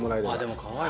でもかわいい。